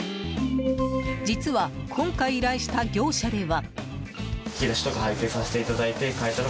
実は、今回依頼した業者では。